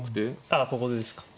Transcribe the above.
あここでですか。